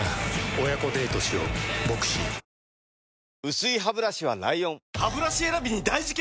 薄いハブラシは ＬＩＯＮハブラシ選びに大事件！